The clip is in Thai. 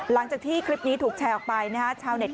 หลังจากที่คลิปนี้ถูกแชร์ออกไปชาวเน็ตก็วิพากษ์วิจารณ์